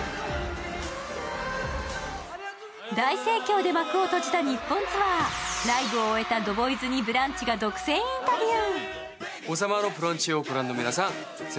大盛況で幕を閉じた日本ツアー、ライブを終えたＴＨＥＢＯＹＺに「ブランチ」が独占インタビュー。